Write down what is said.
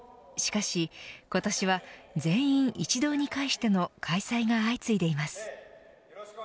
しかし今年は全員一堂に会しての開催が相次いでいます。